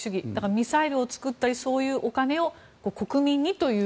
ミサイルを作ったりそういうお金を国民にという。